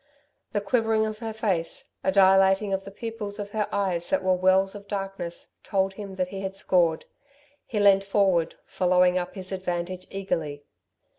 The quivering of her face, a dilating of the pupils of her eyes that were wells of darkness, told him that he had scored. He leant forward, following up his advantage, eagerly.